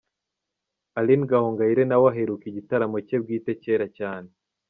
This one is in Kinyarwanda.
Aline Gahongayire nawe aheruka igitaramo cye bwite kera cyane.